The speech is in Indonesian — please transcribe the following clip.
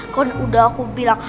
kan udah aku bilang